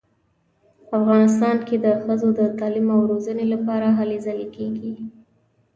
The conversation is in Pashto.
افغانستان کې د ښځو د تعلیم او روزنې لپاره هلې ځلې کیږي